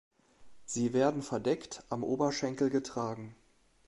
Sie werden verdeckt am Oberschenkel getragen.